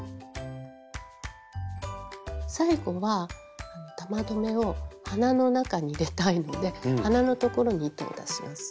最後は玉留めを鼻の中に入れたいので鼻のところに糸を出します。